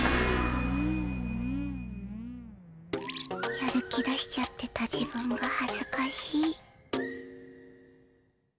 やる気出しちゃってた自分がはずかしい。